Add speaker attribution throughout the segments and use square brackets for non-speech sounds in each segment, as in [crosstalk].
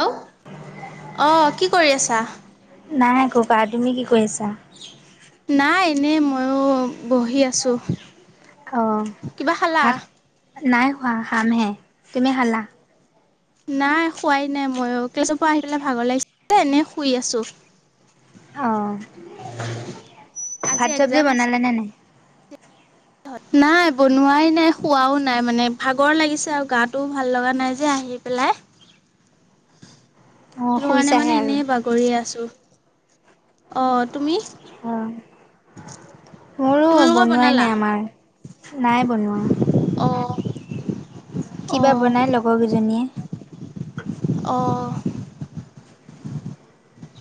Speaker 1: Hello অ' কি কৰি আছা?
Speaker 2: নাই ককা তুমি কি কৰি আছা।
Speaker 1: নাই এনে ময়ো বহি আছো।
Speaker 2: অ' ভাত নাই হোৱা খামহে তুমি খালা।
Speaker 1: নাই খোৱাই নাই ময়ো [unintelligible] আহিপেলাই ভাগৰ লাগিছিল যে এনেই শুই আছো।
Speaker 2: অ'
Speaker 1: আজি
Speaker 2: ভাত চবজি বনালে নে নাই?
Speaker 1: ত নাই বনোৱাই নাই, খোৱাও নাই মানে, ভাগৰ লাগিছে আৰু গা টোও ভাল লগা নাই যে আহ আহি পেলাই।
Speaker 2: [inaudible] অঁ
Speaker 1: সেইটো কাৰণে
Speaker 2: শুইছাহে
Speaker 1: মানে
Speaker 2: আৰু।
Speaker 1: এনেই বাগৰিয়ে আছো অ'। তুমি?
Speaker 2: অ'। মোৰো
Speaker 1: তোমালোকৰ
Speaker 2: বনোৱাই
Speaker 1: বনালা?
Speaker 2: নাই আমাৰ নাই বনোৱা।
Speaker 1: অ'
Speaker 2: কি বা
Speaker 1: অ'
Speaker 2: বনাই লগৰ কেইজনীয়ে।
Speaker 1: অ'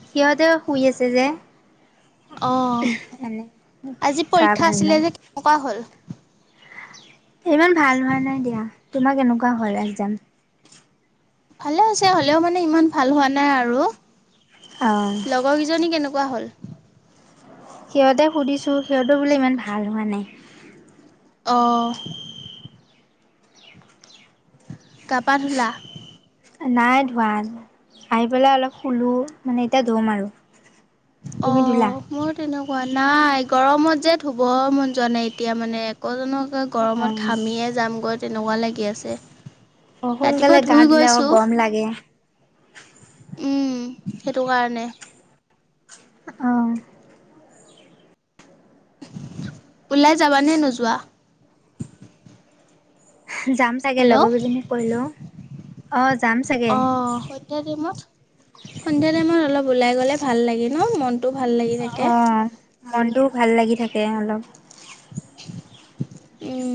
Speaker 2: সিহঁতেও শুই আছে যে
Speaker 1: অ'
Speaker 2: এনে
Speaker 1: আজি
Speaker 2: গা
Speaker 1: পৰীক্ষা
Speaker 2: ভাল
Speaker 1: আছিলে
Speaker 2: নাই।
Speaker 1: যে কেনেকুৱা হ'ল?
Speaker 2: ইমান ভাল হোৱা নাই দিয়া তোমাৰ কেনেকুৱা হল একজাম।
Speaker 1: ভালে হৈছে হ'লেও মানে ইমান ভাল হোৱা নাই আৰু।
Speaker 2: অঁ
Speaker 1: লগৰকেইজনী কেনেকুৱা হ'ল।
Speaker 2: সিহঁতে সুধিছোঁ সিহঁত বোলে ইমান ভাল হোৱা নাই।
Speaker 1: অ' গাপা ধূলা।
Speaker 2: নাই ধোৱা আহি পেলাই অলপ শুলো মানে এতিয়া ধুম আৰু। তুমি ধুলা?
Speaker 1: অ' মোৰ তেনেকুৱা নাই। গৰমত যে ধুব মন যোৱা নাই এতিয়া মানে আকৌ জানো গৰমত
Speaker 2: অ',
Speaker 1: ঘামিয়ে যামগৈ। তেনেকুৱা লাগি আছে।
Speaker 2: সোনকালে
Speaker 1: ৰাতিপুৱা
Speaker 2: গা
Speaker 1: ধুই
Speaker 2: ধুলে আকৌ
Speaker 1: গৈছো
Speaker 2: গৰম লাগে।
Speaker 1: উম। সেইটো কাৰণে।
Speaker 2: আহ।
Speaker 1: ওলাই যাবানে নোযোৱা।
Speaker 2: যাম চাগে লগৰ কেইজনীক কৈ লোও।
Speaker 1: অ সৈন্ধা তাইমত সৈন্ধা টাইমত অলপ। উলাই গ'লে ভাল লাগে ন মনটো ভাল লাগি থাকে।
Speaker 2: অ', মনটোও ভাল লাগি থাকে অলপ।
Speaker 1: উম।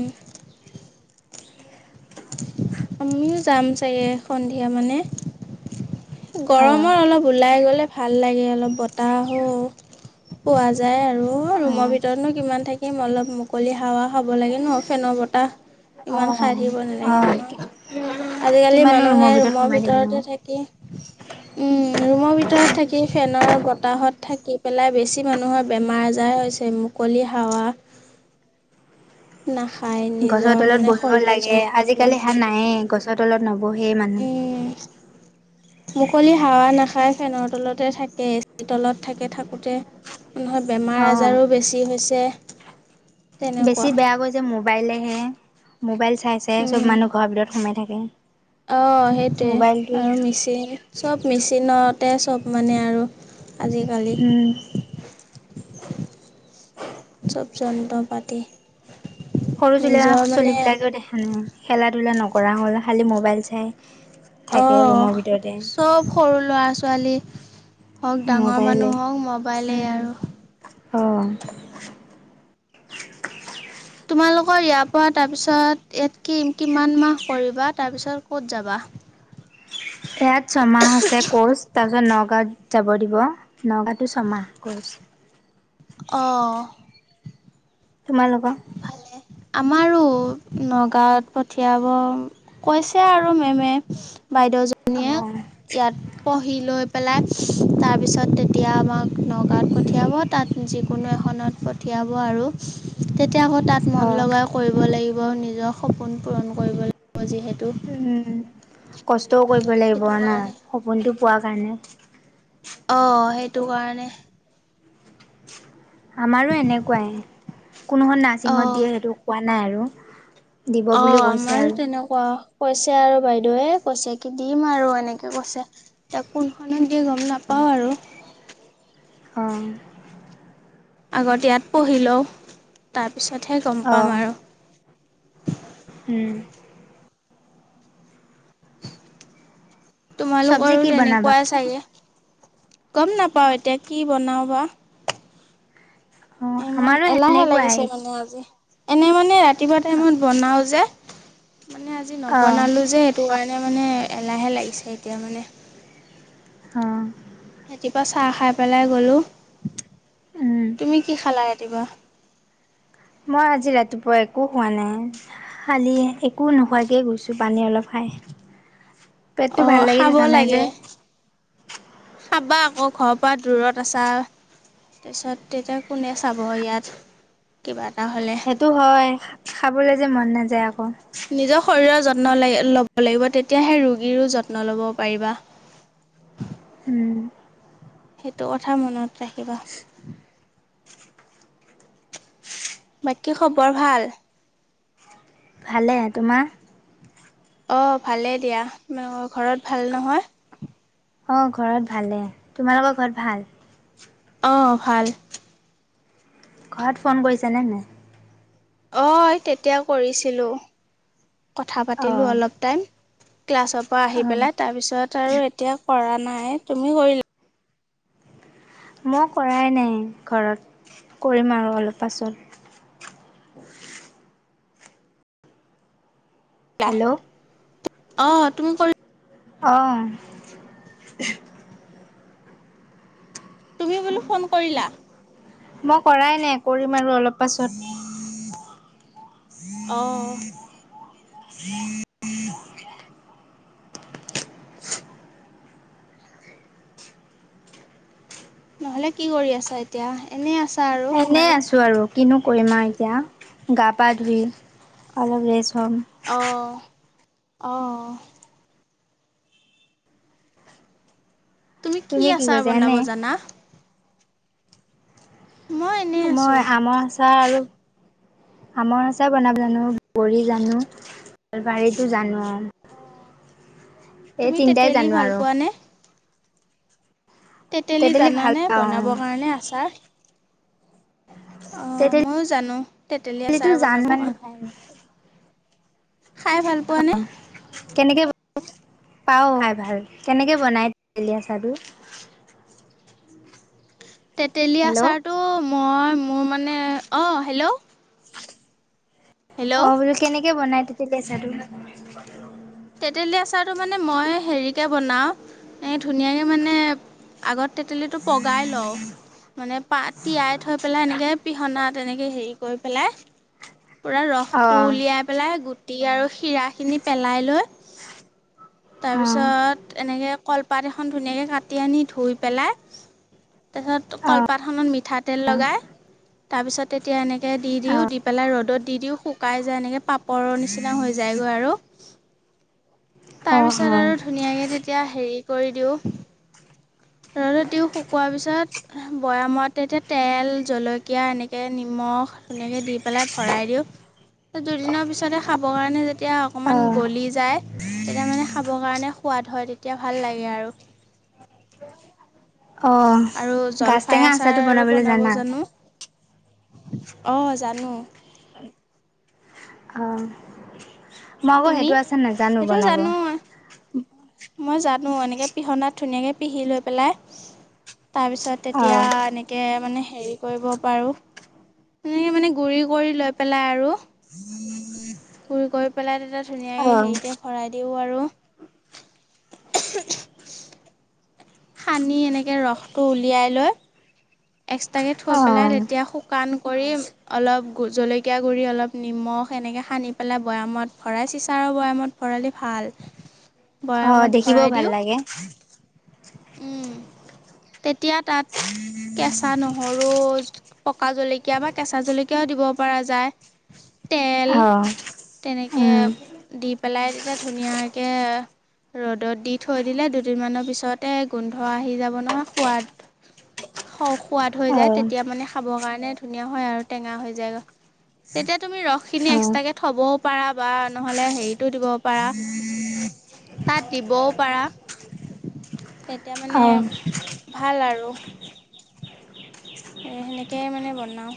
Speaker 1: আমিও যাম চাগে সন্ধিয়া মানে
Speaker 2: অ',
Speaker 1: গৰমত অলপ ওলাই গ'লে ভাল লাগে অলপ বতাহো পোৱা যাই আৰু
Speaker 2: অ',
Speaker 1: ৰুমৰ ভিতৰতনো কিমান থাকিম। অলপ মুকলি হাৱা খাব লাগে ন ফেনৰ বৰতাহ
Speaker 2: অহ'
Speaker 1: [inaudible] নহয় আজিকালি মানুহে
Speaker 2: ভিতৰত
Speaker 1: ৰুমৰ
Speaker 2: সোমাই থাকিম
Speaker 1: ভিতৰতে
Speaker 2: আৰু।
Speaker 1: থাকি উম ৰুমৰ ভিতৰত থাকি ফেনৰ বতাহত থাকি পেলাই বেছি মানুহৰ বেমাৰ আজাৰ হৈছে মুকলি হাৱা
Speaker 2: [inaudible]
Speaker 1: না
Speaker 2: গছৰ তলত বহিব লাগে
Speaker 1: নলয়
Speaker 2: আজিকালি হেয়া নায়ে গছৰ তলত নব বহে মানুহ।
Speaker 1: উম মুকলি হাৱা নাখাই, ফেনৰ তলতে থাকে, এ চিৰ তলত থাকে থাকোঁতে মানুহ বেমাৰ
Speaker 2: অ',
Speaker 1: আজাৰো বেছি হৈছে। তেনেকুৱা
Speaker 2: বেছি বেয়া কৰিছে মোবাইলেহে মোবাইল চাই চাই চ'ব
Speaker 1: উম
Speaker 2: মানুহ ঘৰৰ ভিতৰত সোমাই থাকে।
Speaker 1: অ' সেইটোৱে
Speaker 2: মোবাইলটোৱে
Speaker 1: আৰু মিচিন চ'ব মিচিন মিচিনতে চ'ব মানে আৰু আজিকালি
Speaker 2: উম।
Speaker 1: চ'ব যন্ত্ৰপাতি
Speaker 2: সৰু চলি চলিবিলাকেও দেখা নাই, খেলা ধূলা নকৰা হ'ল, খালি মোবাইল চাই। থাকে ৰুমৰ
Speaker 1: অ'
Speaker 2: ভিতৰতে
Speaker 1: চ'ব সৰু ল'ৰা ছোৱালী হওঁক, ডাঙৰ
Speaker 2: মোবাইলে
Speaker 1: মানুহ হওঁক, ম'বাইলেই আৰু।
Speaker 2: অঁ [unintelligible]
Speaker 1: তোমালোকৰ ইয়াৰ পৰা তাৰপিছত ইয়াত কি কিমান মাহ কৰিবা তাৰপিছত কত যাবা?
Speaker 2: [unintelligible] ইয়াত ছমাহ আছে কোৰ্চ তাৰপিছত নগাঁওত যাব দিব নগাঁৱটো ছমাহ কোৰ্চ। [inaudible]
Speaker 1: অ
Speaker 2: তোমালোকৰ
Speaker 1: ভালে আমাৰো নগাঁৱত পঠিয়াব কৈছে আৰু মেমে।
Speaker 2: অ
Speaker 1: বাইদেউজনীয়ে ইয়াত পঢ় হি লৈ পেলাই তাৰপিছত তেতিয়া আমাক নগাঁৱত পঠিয়াব তাত যিকোনো এখন পঠিয়াব আৰু। তেতিয়া আকৌ তাত
Speaker 2: অ
Speaker 1: মন লগাই কৰিব লাগিব নিজৰ সপোন পূৰণ কৰিব লাগিব। যিহেতু
Speaker 2: উম কষ্টও কৰিব লাগিব
Speaker 1: সেইটো
Speaker 2: ন
Speaker 1: কাৰণে
Speaker 2: সপোনটো পোৱা কাৰণে।
Speaker 1: অ সেইটো কাৰণে।
Speaker 2: আমাৰো এনেকুৱাই কোনোখন নাৰছিঙত দিয়ে সেইটো কোৱা নাই আৰু। দিব
Speaker 1: অ
Speaker 2: বুলি কৈছে
Speaker 1: আমাৰো
Speaker 2: আৰু
Speaker 1: তেনেকুৱা। কৈছে আৰু বাইদেউৱে কৈছে কি দিম আৰু এনেকে কৈছে, এতিয়া কোনখনত দিয়ে গম নাপাওঁ। আৰু
Speaker 2: অ
Speaker 1: আগত ইয়াত পঢ়ি লওঁ তাৰপিছতহে গম পাম আৰু।
Speaker 2: হম চব্জি
Speaker 1: তোমালোকৰো
Speaker 2: কি বনাবা
Speaker 1: তেনেকুৱাই চাগে। গম নাপাও এতিয়া কি বনাও বা।
Speaker 2: অ',
Speaker 1: ইমান
Speaker 2: আমাৰো
Speaker 1: এলাহে
Speaker 2: সেনেকুৱাই
Speaker 1: লাগিছে মানে আজি, এনে মানে ৰাতিপুৱা টাইমত বনাও যে। মানে আজি
Speaker 2: অ',
Speaker 1: নবনালোঁ যে সেইটো কাৰণে মানে এলাহে লাগিছে এতিয়া মানে
Speaker 2: অ',
Speaker 1: ৰাতিপুৱা চাহ খাই পেলাই গ'লো
Speaker 2: উম।
Speaker 1: তুমি কি খালা ৰাতিপুৱা
Speaker 2: মই আজি ৰাতিপুৱা একো খোৱা নাই খালি একো নোহোৱাকে গৈছো পানী অলপ খা খাই পেটটো
Speaker 1: অ
Speaker 2: ভাল লাগি
Speaker 1: খাব
Speaker 2: থকা নাই যে।
Speaker 1: লাগে খাবা অহ ঘৰৰ পৰা দূৰত আছা তাৰপিছত তেতিয়া কোনে চাব ইয়াত কিমান
Speaker 2: সেইটো হয় খাবলে যে মন নাযায় আকৌ
Speaker 1: নিজৰ শৰীৰৰ যত ল' ল'ব লাগিব তেতিয়াহে ৰোগীৰো যত্ন ল'ব পাৰিবা
Speaker 2: উম
Speaker 1: সেইটো কথা মনত ৰাখিবা বাকী খবৰ ভাল
Speaker 2: ভালে তোমাৰ
Speaker 1: অ ভালেই দিয়া তোমালোকৰ ঘৰত ভাল নহয়
Speaker 2: অ ঘৰত ভালে তোমালোকৰ ঘৰত ভাল
Speaker 1: অ ভাল
Speaker 2: ঘৰত ফোন কৰিছানে নাই
Speaker 1: অ তেতিয়া কৰিছিলোঁ কথা পাতিলোঁ
Speaker 2: অ',
Speaker 1: অলপ টাইম ক্লাছৰ পৰা আহি
Speaker 2: অ',
Speaker 1: পেলাই তাৰপিছত আৰু এতিয়া কৰা নাই তুমি কৰিলা
Speaker 2: মই কৰাই নাই ঘৰত কৰিম আৰু অলপ পাছত হেল্ল'
Speaker 1: অ তুমি কৰি
Speaker 2: অহ।
Speaker 1: তুমি বোলো ফোন কৰিলা?
Speaker 2: মই কৰাই নাই কৰিম আৰু অলপ পাছত।
Speaker 1: অহ। নহলে কি কৰি আছা এতিয়া? এনে আছ
Speaker 2: এনেই আছো আৰু কিনো কৰিম আ এতিয়া, গা পা ধুই অলপ ৰেষ্ট সম।
Speaker 1: অঁহ। তুমি কি আচাৰ বনাব জানা? মই এনেই আছো।
Speaker 2: ভাল? আমৰ আচাৰ বনাব জানো, বগৰি জানো, বাৰীতো জানো। এই
Speaker 1: তুমি
Speaker 2: তিনটাই
Speaker 1: তেতেলী
Speaker 2: জানো
Speaker 1: ভাল
Speaker 2: আৰু।
Speaker 1: পোৱানে? তেতেলী
Speaker 2: ভাল
Speaker 1: জানানে
Speaker 2: পাওঁ
Speaker 1: বনাবৰ কাৰণে আচাৰ? অ ময়ো জানো তেতেলী
Speaker 2: তেতেলীটো
Speaker 1: আচাৰ
Speaker 2: জানো
Speaker 1: বনাবৰ কাৰণে। খায় ভাল পোৱা নে?
Speaker 2: পাওঁ ভাই ভাল কেনেকে বনাই তেতেলী আচাৰটো?
Speaker 1: তেতেলী
Speaker 2: হেল্ল'
Speaker 1: আচাৰটো মই মোৰ মানে অঁ হেল্ল'। হেল্ল'
Speaker 2: অঁ বোলো কেনেকে বনাই তেতেলী আচাৰটো?
Speaker 1: তেতেলী আচাৰটো মানে মই হেৰিকে বনাওঁ, ধুনীয়াকে মানে আগত তেতেলীটো পগাই লওঁ। মানে পা তিয়াই থৈ পেলাই এনেকে পিহনাত এনেকে হেৰি কৰি পেলাই পুৰা
Speaker 2: অ
Speaker 1: ৰসটো উলিয়াই পেলাই গুটি আৰু শিৰাখিনি পেলাই লৈ
Speaker 2: অ
Speaker 1: তাৰপিছত এনেকে কলপাত এখন ধুনীয়াকৈ কাটি আনি ধুই পেলাই তাছত
Speaker 2: অ
Speaker 1: কলপাতখনত মিঠাতেল লগাই তা পিছতে তে এনেকে দি দিওঁ দি
Speaker 2: অ
Speaker 1: পেলাই ৰ'দত দি দিওঁ শুকাই যায় এনেকে পাপৰৰ নিচিনা হৈ যা যাইগৈ আৰু।
Speaker 2: [inaudible]
Speaker 1: তাৰপিছত
Speaker 2: অ
Speaker 1: আৰু ধুনীয়াকে তেতিয়া হেৰি কৰি দিওঁ।
Speaker 2: [unintelligible]
Speaker 1: দি শুকোৱাৰ পিছত বৈয়ামত তেতিয়া তেল জলকীয়া এনেকৈ নিমখ। এনেকৈ দি পেলাই ভৰাই দিওঁ। দুদিনৰ পিছতে খাবৰ কাৰণে যেতিয়া
Speaker 2: অ
Speaker 1: অকমান
Speaker 2: অ
Speaker 1: গলি যায়। তেতিয়া মানে খাবৰ কাৰণে সোৱাদ হয় তেতিয়া ভাল লাগে আৰু।
Speaker 2: [unintelligible] অ',
Speaker 1: আৰু
Speaker 2: গাজ
Speaker 1: জলফাই
Speaker 2: টেঙা আচাৰটো
Speaker 1: আচাৰো
Speaker 2: বনাবলৈ
Speaker 1: বনাব
Speaker 2: জানা?
Speaker 1: জানো। অহ জানো।
Speaker 2: অ', মই আকৌ
Speaker 1: তুমি
Speaker 2: সেইটো আছেন নাজানো
Speaker 1: সেইটো
Speaker 2: বনাব।
Speaker 1: জানো মই জানো এনেকে পিহনাত ধুনীয়াকৈ পিহি লৈ পেলাই তাৰপিছত তেতিয়া
Speaker 2: অ',
Speaker 1: এনেক মানে হেৰি কৰিব পাৰোঁ সেনেকে মানে গুৰি কৰি লৈ পেলাই আৰু পুৰি কৰি পেলাই তেতিয়া ধুনীয়াকে
Speaker 2: অ',
Speaker 1: হেৰিতে ভৰাই দিওঁ আৰু। সানি এনেকে ৰসটো উলিয়াই লৈ এক্সট্ৰাকে থৈ পেলাই
Speaker 2: অ',
Speaker 1: তেতিয়া শুকান কৰি অলপ জলকীয়া গুড়ি অলপ নিমখ। অ সেনেকে সানি পেলাই বৈয়ামত ভৰাই চিচাৰ বয়ামত ভৰালি ভাল।
Speaker 2: অ
Speaker 1: বৈয়ামত
Speaker 2: দেখিবও ভাল লাগে।
Speaker 1: উম তেতিয়া তাত। কেঁচা নহৰু পকা জলকীয়া বা কেঁচা জলকীয়াও দিব পৰা যায়।
Speaker 2: অ।
Speaker 1: তেনেকে
Speaker 2: উম,
Speaker 1: দি পেলাই তেতিয়া ধুনীয়াকে। ৰ'দত দি থৈ দিলে দুদিনমানৰ পিছতে গোন্ধ আহি যাব নহয় সোৱাদ। সোৱাদ হৈ যায়
Speaker 2: অ',
Speaker 1: তেতিয়া মানে খাবৰ কাৰণে ধুনীয়া হয় আৰু টেঙা হৈ যায়। তেতিয়া তুমি ৰস খিনি
Speaker 2: অ',
Speaker 1: এক্সট্ৰাকে থবও পাৰা বা নহলে হেৰিতো দিব পাৰা।
Speaker 2: [unintelligible]
Speaker 1: তাত দিবও পাৰা। তেতিয়া মানে
Speaker 2: অ',
Speaker 1: ভাল আৰু। এ সেনেকেই মানে বনাওঁ।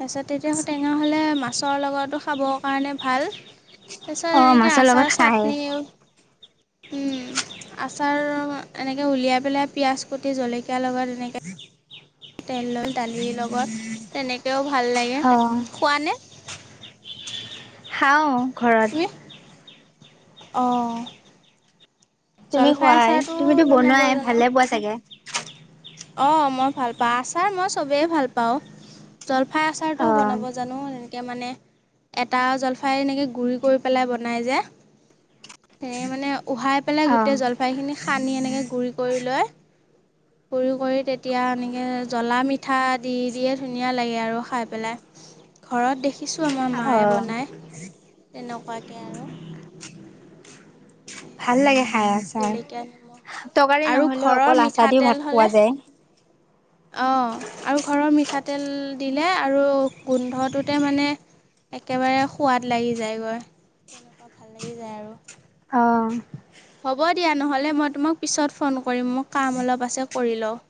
Speaker 1: তাৰপিছত তেতিয়া ঔ টেঙা হ'লে মাছৰ লগতো খাবৰ কাৰণে ভাল। তাৰপিছত
Speaker 2: অ',
Speaker 1: এনেকৈ
Speaker 2: মাছৰ লগত
Speaker 1: আচাৰ
Speaker 2: খায়।
Speaker 1: চাটনিও।
Speaker 2: [unintelligible] [inaudible]
Speaker 1: আচাৰ এনেকে উলিয়াই পেলাই পিয়াজ কুটি জলকীয়াৰ লগত এনেকে। তেল লৈ দালিৰ লগত তেনেকৈও ভাল লাগে
Speaker 2: অ',
Speaker 1: খোৱ নে।
Speaker 2: খাওঁ ঘৰত।
Speaker 1: অ।
Speaker 2: তুমি খোৱাই তুমিতো
Speaker 1: বনাব
Speaker 2: বনোৱাই ভালে পোৱা চাগে।
Speaker 1: অ মই ভাল পাওঁ আচাৰ মই চবেই ভাল পাওঁ। জলফাই আচাৰটোও
Speaker 2: অ',
Speaker 1: বনাব জানো এনেকে মানে। এটা জলফাই এনেকৈ গুড়ি কৰি পেলাই বনাই যে। সেয়ে মানে উহাই পেলাই
Speaker 2: অ',
Speaker 1: গোটেই জলফাইখিনি সানি এনেকে গুৰি কৰি লয়। গুৰি কৰি তেতিয়া এনেকে জ্বলা মিঠা দি দিয়ে ধুনীয়া লাগে আৰু খাই পেলাই। ঘৰত দেখিছোঁ আমাৰ মায়ে
Speaker 2: অ',
Speaker 1: বনায় তেনেকুৱাকে আৰু।
Speaker 2: ভাল লাগে খাই আচাৰ।
Speaker 1: জলকীয়া নিমখ
Speaker 2: তৰকাৰী
Speaker 1: আৰু
Speaker 2: নহলেও
Speaker 1: ঘৰৰ
Speaker 2: অকল আচাৰ দিওঁ
Speaker 1: মিঠাতেল
Speaker 2: ভাত
Speaker 1: হ'লে
Speaker 2: খোৱা যায়।
Speaker 1: অঁ আৰু ঘৰৰ মিঠাতেল দিলে আৰু গোন্ধটোতে মানে। একেবাৰে সোৱাদ লাগি যায়গৈ লাগি যায় আৰু।
Speaker 2: অ',
Speaker 1: হ'ব দিয়া নহ'লে মই তোমাক পিছত ফোন কৰিম মোক কাম অলপ আছে কৰি লওঁ।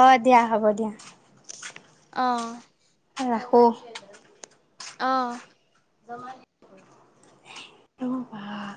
Speaker 2: অঁ দিয়া হ'ব দিয়া।
Speaker 1: অহ।
Speaker 2: ৰাখোঁ।
Speaker 1: অহ।
Speaker 2: ৰ'বা